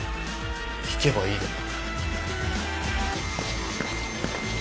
聞けばいいだろ。